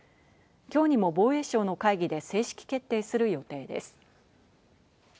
今日にも防衛省の会議で正式決定する予定です。